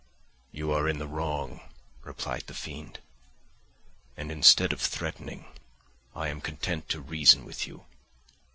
"You are in the wrong," replied the fiend; "and instead of threatening, I am content to reason with you.